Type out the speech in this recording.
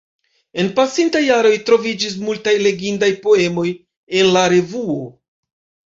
En pasintaj jaroj troviĝis multaj legindaj poemoj en la revuo.